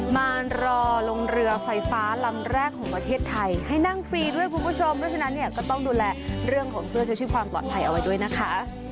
มารอลงเรือไฟฟ้าลำแรกของประเทศไทยให้นั่งฟรีด้วยคุณผู้ชมเพราะฉะนั้นเนี่ยก็ต้องดูแลเรื่องของเสื้อชูชีพความปลอดภัยเอาไว้ด้วยนะคะ